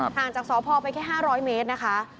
ห่างจากสพไปแค่๕๐๐เมตรนะคะ